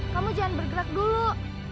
kamu jangan bergerak dulu